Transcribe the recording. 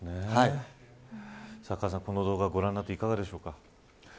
この動画をご覧になっていかがでしょうか。